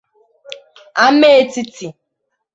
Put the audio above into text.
Amaetiti